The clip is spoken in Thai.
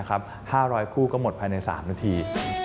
๕๐๐คู่ก็หมดภายใน๓นาที